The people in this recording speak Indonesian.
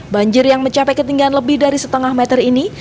banjir yang mencapai ketinggian lebih dari setengah meter ini